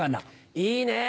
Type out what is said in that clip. いいねぇ。